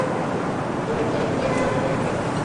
তিনি গবেষণা চালিয়ে যেতে হাইডেলবার্গের ল্যাবে ফিরে আসতেন।